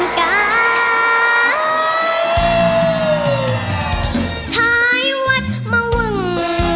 ท้ายวัดมะวึ่ง